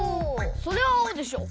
それはあおでしょ。